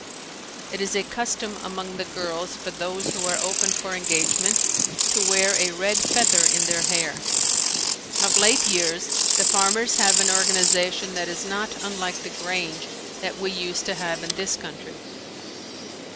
It is a custom among the girls for those who are open for engagement to wear a red feather in their hair. Of late years the farmers have an organization that is not unlike the grange that we used to have in this country.